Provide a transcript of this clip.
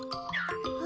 あ？